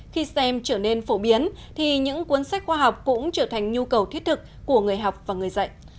khi stem trở nên phổ biến thì những cuốn sách khoa học cũng trở thành nhu cầu thiết thực của người học và người dạy